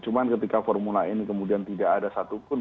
cuma ketika formula ini kemudian tidak ada satupun